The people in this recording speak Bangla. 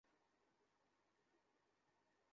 ঠিক দশটার সময় চলে আসবে।